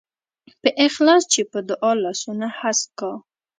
په اخلاص چې په دعا لاسونه هسک کا.